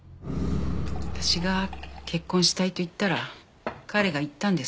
私が結婚したいと言ったら彼が言ったんです。